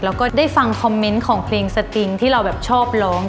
แล้วก็ได้ฟังคอมเมนต์ของเพลงสติงที่เราแบบชอบร้อง